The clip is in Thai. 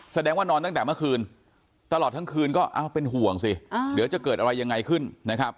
แสดงว่านอนตั้งแต่เมื่อคืนตลอดทั้งคืนก็เป็นห่วงสิเดี๋ยวจะเกิดอะไรยังไงขึ้นนะครับ